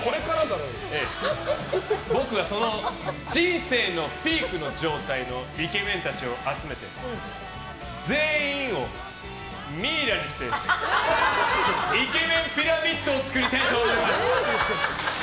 僕は、その人生のピークの状態のイケメンたちを集めて全員をミイラにしてイケメンピラミッドを作りたいと思います！